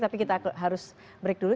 tapi kita harus break dulu